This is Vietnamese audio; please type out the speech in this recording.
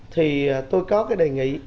thì tôi có cái đề nghị